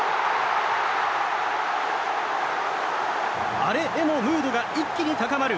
アレへのムードが一気に高まる